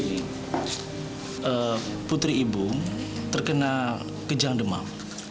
putri ibu terkena kejang demam